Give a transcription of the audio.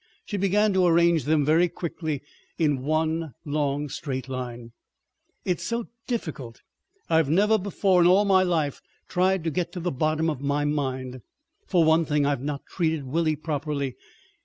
She began to arrange them very quickly into one long straight line. "It's so difficult——— I've never before in all my life tried to get to the bottom of my mind. For one thing, I've not treated Willie properly.